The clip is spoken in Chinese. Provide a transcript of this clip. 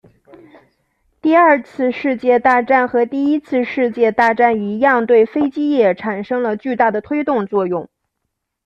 第二次世界大战和第一次世界大战一样对飞机业产生了巨大的推动作用。